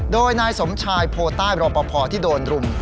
โดยนายสมชายโพตต้ายประกอบพอที่โดนรุม